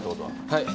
はい。